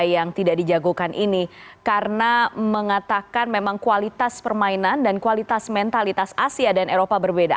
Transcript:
yang tidak dijagokan ini karena mengatakan memang kualitas permainan dan kualitas mentalitas asia dan eropa berbeda